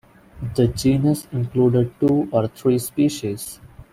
The genus includes two or three species.